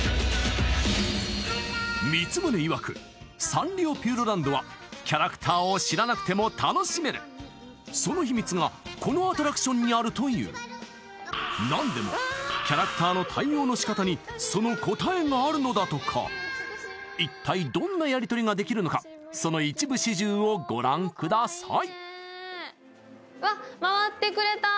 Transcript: サンリオピューロランドはキャラクターを知らなくても楽しめるその秘密がこのアトラクションにあるというなんでもキャラクターの対応のしかたにその答えがあるのだとか一体どんなやり取りができるのかその一部始終をご覧ください